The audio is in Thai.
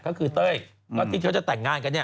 ก็คือเต้ยก็ที่เขาจะแต่งงานกันเนี่ย